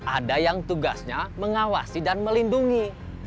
ada yang tugasnya mengawasi dan melindungi